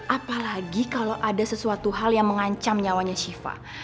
apalagi kalau ada sesuatu hal yang mengancam nyawanya syifa